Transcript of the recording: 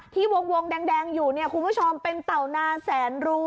ที่วงแดงอยู่คุณผู้ชมเป็นเต่าหนาแสนรู